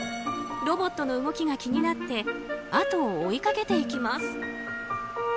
ロボットの動きが気になってあとを追いかけていきます。